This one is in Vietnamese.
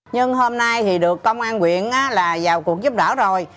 nhưng hôm nay thì được công an quyện là vào cuộc giúp đỡ rồi